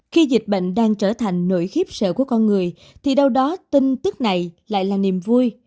khi dịch bệnh đang trở thành nỗi khiếp sợ của con người thì đâu đó tin tức này lại là niềm vui